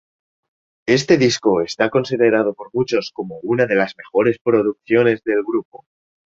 Este disco está considerado por muchos como una de las mejores producciones del grupo.